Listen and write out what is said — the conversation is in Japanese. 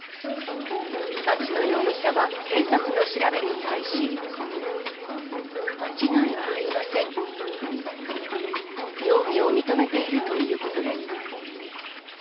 立野容疑者は警察の調べに対し。容疑を認めているということです。